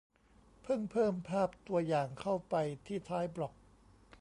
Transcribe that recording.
เพิ่งเพิ่มภาพตัวอย่างเข้าไปที่ท้ายบล็อก